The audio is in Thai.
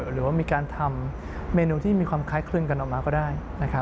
หรือว่ามีการทำเมนูที่มีความคล้ายคลึงกันออกมาก็ได้